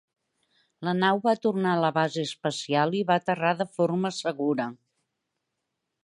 La nau va tornar a la base espacial i va aterrar de forma segura.